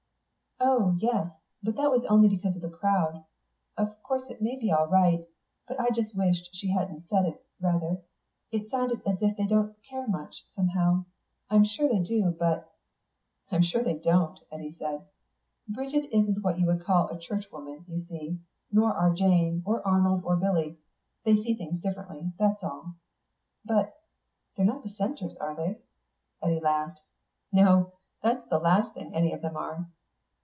"Oh yes. But that was only because of the crowd.... Of course it may be all right but I just wished she hadn't said it, rather. It sounded as if they didn't care much, somehow. I'm sure they do, but...." "I'm sure they don't," Eddy said. "Bridget isn't what you would call a Churchwoman, you see. Nor are Jane, or Arnold, or Billy. They see things differently, that's all." "But they're not dissenters, are they?" Eddy laughed. "No. That's the last thing any of them are."